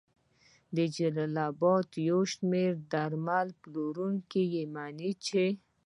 د جلال اباد یو شمېر درمل پلورونکي مني چې